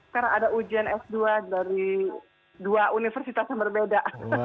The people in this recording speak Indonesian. karena ada ujian s dua dari dua universitas yang berbeda